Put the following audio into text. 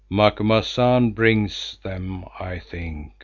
Macumazahn brings them, I think.